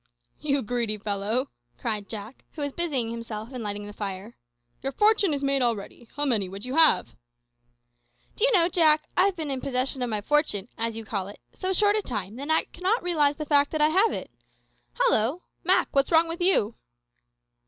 "You greedy fellow," cried Jack, who was busying himself in lighting the fire, "your fortune is made already. How many would you have?" "D'ye know, Jack, I have been in possession of my fortune, as you call it, so short a time that I cannot realise the fact that I have it. Hollo! Mak, what's wrong with you?"